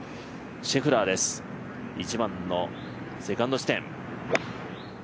シェフラーです、１番のセカンド地点。